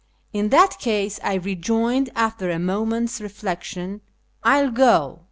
" In that case," I rejoined, after a moment's refiectiou, " I will go."